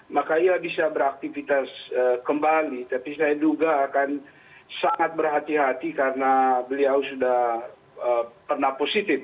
maka ia bisa beraktivitas kembali tapi saya duga akan sangat berhati hati karena beliau sudah pernah positif